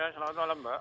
selamat malam mbak